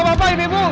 woi bapak bapak ibu